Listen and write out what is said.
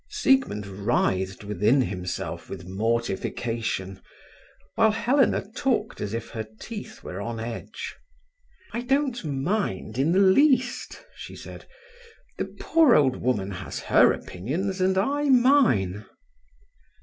Siegmund writhed within himself with mortification, while Helena talked as if her teeth were on edge. "I don't mind in the least," she said. "The poor old woman has her opinions, and I mine."